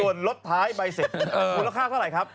ส่วนลดท้ายใบเสร็จมูลค่าเท่าไหร่ครับ